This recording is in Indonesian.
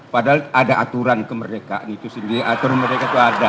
padahal ada aturan kemerdekaan itu sendiri aturan mereka itu ada